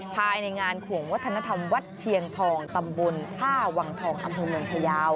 ภายในงานขวงวัฒนธรรมวัดเชียงทองตำบลท่าวังทองอำเภอเมืองพยาว